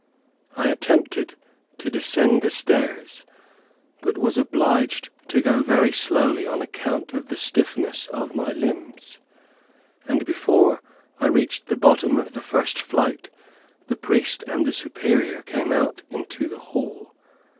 I attempted to descend the stairs, but was obliged to go very slowly on account of the stiffness of my limbs, and before I reached the bottom of the first flight the priest and the Superior came out into the hall.